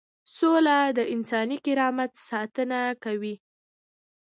سوله د انساني کرامت ساتنه کوي.